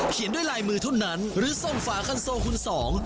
ด้วยลายมือเท่านั้นหรือส่งฝาคันโซคุณสอง